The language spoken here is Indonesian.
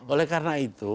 oleh karena itu